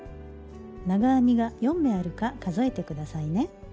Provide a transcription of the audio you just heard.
長編みが４目あるか数えて下さいね。